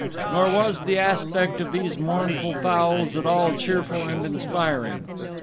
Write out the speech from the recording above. Nor was the aspect of these mournful fowls at all cheerful and inspiring.